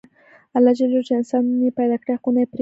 الله ج چې انسانان یې پیدا کړي حقونه یې پرې لورولي.